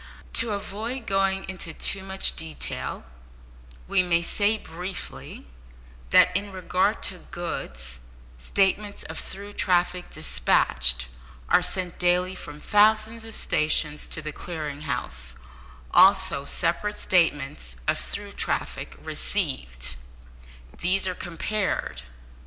To avoid going too much into detail, we may say, briefly, that in regard to goods, statements of through traffic despatched are sent daily from thousands of stations to the Clearing House, also separate statements of through traffic received. These are compared.